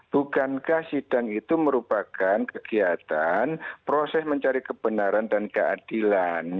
bukankah sidang itu merupakan kegiatan proses mencari kebenaran dan keadilan